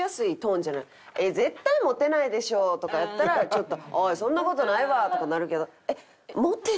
「絶対モテないでしょ！」とかやったらちょっと「おいそんな事ないわ！」とかなるけど。